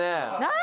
「何？